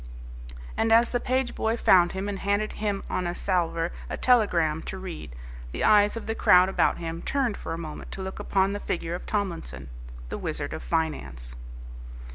And as the page boy found him and handed him on a salver a telegram to read, the eyes of the crowd about him turned for a moment to look upon the figure of Tomlinson, the Wizard of Finance.